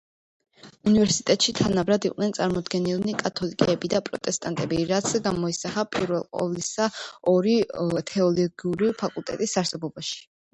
უნივერსიტეტში თანაბრად იყვნენ წარმოდგენილნი კათოლიკები და პროტესტანტები, რაც გამოისახა პირველყოვლისა ორი თეოლოგიური ფაკულტეტის არსებობაში.